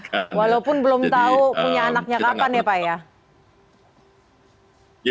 walaupun belum tahu punya anaknya kapan ya pak ya